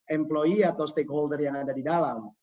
employe atau stakeholder yang ada di dalam